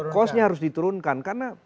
costnya harus diturunkan